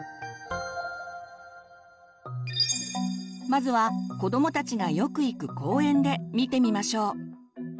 まずは子どもたちがよく行く公園で見てみましょう。